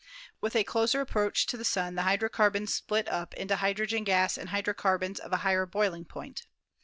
With a closer approach to the Sun the hydrocarbons split up into hydro gen gas and hydrocarbons of a higher boiling point.